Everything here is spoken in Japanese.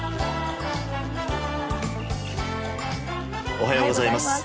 おはようございます。